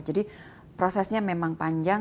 jadi prosesnya memang panjang